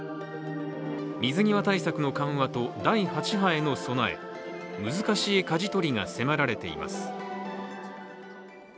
水際対策の緩和と第８波への供え、難しいかじ取りが迫られています。